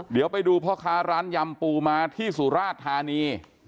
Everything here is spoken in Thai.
เดี๋ยวไปดูพ่อค้าร้านยำปูมาที่สุราชธานี